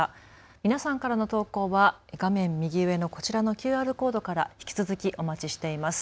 皆さんからの投稿は画面右上のこちらのＱＲコードから引き続きお待ちしています。